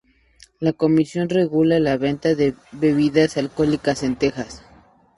La comisión regula la venta de bebidas alcohólicas en Texas.